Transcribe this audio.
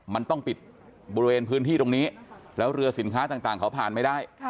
มันต้องปิดบริเวณพื้นที่ตรงนี้แล้วเรือสินค้าต่างเขาผ่านไม่ได้